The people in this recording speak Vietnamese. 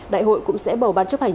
đại hội cũng sẽ bầu bàn chấp hành